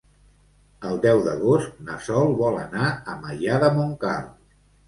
El deu d'agost na Sol vol anar a Maià de Montcal.